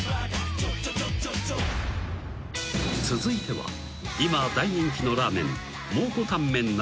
［続いては今大人気のラーメン］